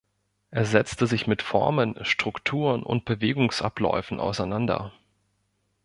Er setzte sich mit Formen, Strukturen und Bewegungsabläufen auseinander.